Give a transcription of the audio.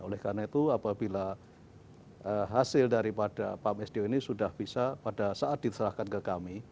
oleh karena itu apabila hasil daripada pam sdo ini sudah bisa pada saat diserahkan ke kami